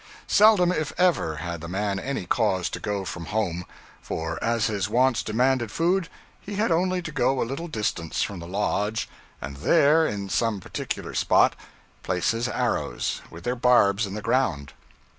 Seldom, if ever, had the man any cause to go from home; for, as his wants demanded food, he had only to go a little distance from the lodge, and there, in some particular spot, place his arrows, with their barbs in the ground.